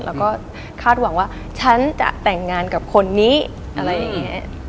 แล้วก็คาดหวังว่าฉันจะแต่งงานกับคนนี้อะไรอย่างนี้